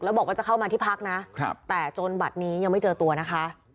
แล้วบอกว่าจะเข้ามาที่พักนะแต่จนบัตรนี้ยังไม่เจอตัวนะคะ